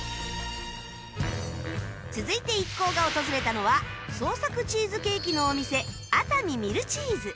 続いて一行が訪れたのは創作チーズケーキのお店